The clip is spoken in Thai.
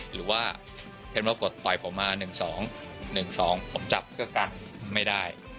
หรือว่าเห็นว่ากดต่อยผมมา๑๒๑๒ผมจับเพื่อกันไม่ได้